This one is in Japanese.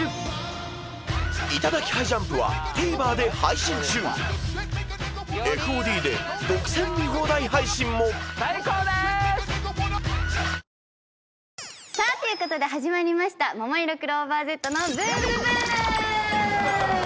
［『いただきハイジャンプ』は］ということで始まりました「ももいろクローバーＺのブンブブーン！」